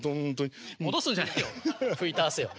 戻すんじゃないよ